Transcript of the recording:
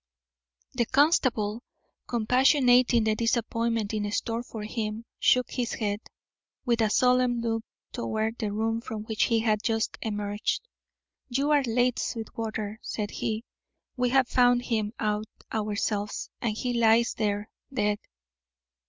The constable, compassionating the disappointment in store for him, shook his head, with a solemn look toward the room from which he had just emerged. "You are late, Sweetwater," said he. "We have found him out ourselves, and he lies there, dead."